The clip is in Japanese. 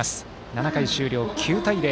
７回終了、９対０。